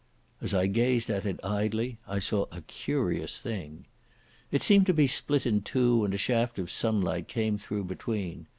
As I gazed at it idly I saw a curious thing. It seemed to be split in two and a shaft of sunlight came through between.